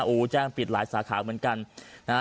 โอ้โหแจ้งปิดหลายสาขาเหมือนกันนะฮะ